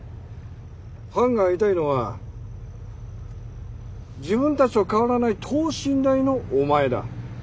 ファンが会いたいのは自分たちと変わらない等身大のお前だ。